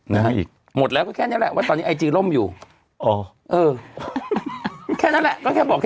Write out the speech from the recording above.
อืมแล้วไม่มีอีก